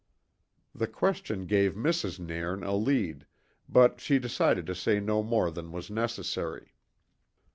The question gave Mrs. Nairn a lead, but she decided to say no more than was necessary.